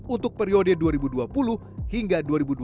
untuk periode dua ribu dua puluh hingga